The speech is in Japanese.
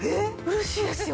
嬉しいですよ。